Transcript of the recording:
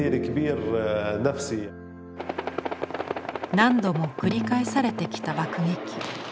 何度も繰り返されてきた爆撃。